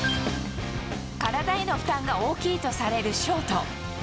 体への負担が大きいとされるショート。